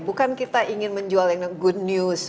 bukan kita ingin menjual yang good news